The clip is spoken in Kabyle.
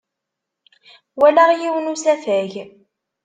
Walaɣ yiwen n usafag.